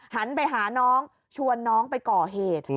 หันไปหาน้องชวนน้องไปก่อเหตุ